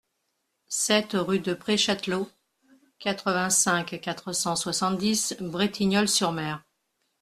sept rue de Pré Chatelot, quatre-vingt-cinq, quatre cent soixante-dix, Bretignolles-sur-Mer